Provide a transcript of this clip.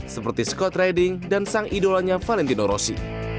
seperti scott redding dan sang idolanya valentino rossi